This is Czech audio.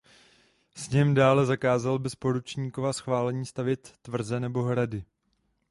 Sněm dále zakázal bez poručníkova schválení stavět tvrze nebo hrady.